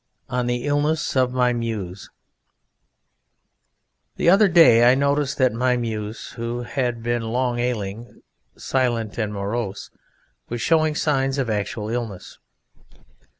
ONE THE ILLNESS OF MY MUSE The other day I noticed that my Muse, who had long been ailing, silent and morose, was showing signs of actual illness.